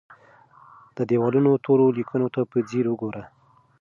د دیوالونو تورو لیکو ته په ځیر وګوره.